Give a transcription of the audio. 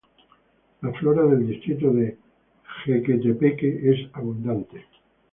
La flora del distrito de Jequetepeque es abundante.